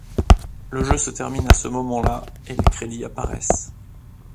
Le jeu se termine à ce moment-là et les crédits apparaissent.